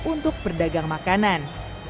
untuk berdagang makanan